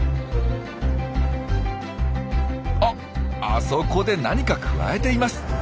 ああそこで何かくわえています。